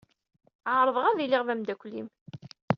Ɛerḍeɣ ad iliɣ d amdakel-im.